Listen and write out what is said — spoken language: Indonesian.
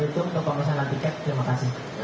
mau tanya untuk presentasi bagian hasilnya